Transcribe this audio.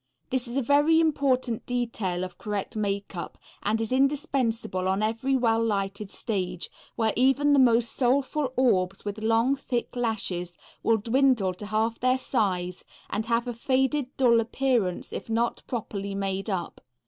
This is a very important detail of correct makeup, and is indispensable on every well lighted stage, where even the most soulful orbs with long, thick lashes will dwindle to half their size and have a faded, dull appearance if not properly made up.